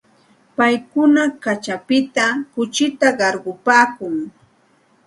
Paykuna kaćhapita kuchita qarqupaakun.